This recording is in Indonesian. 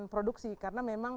produksi karena memang